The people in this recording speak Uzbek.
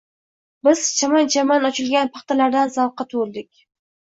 .Biz chaman-chaman ochilgan paxtalardan zavqqa to‘ldik.